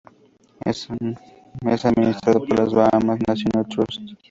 Es administrado por el Bahamas National Trust.